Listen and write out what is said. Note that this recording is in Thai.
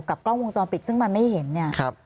กล้องวงจรปิดซึ่งมันไม่เห็นเนี่ย